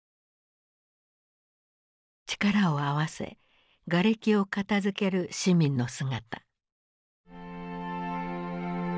力を合わせがれきを片づける市民の姿。